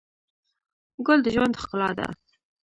ګل د ژوند ښکلا ده.